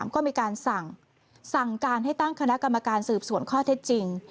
ก็มีการสั่งการให้ตั้งคณะกรรมการสืบสวนข้อเท็จจริง